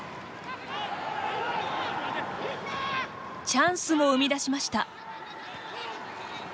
チャンスも生み出しました。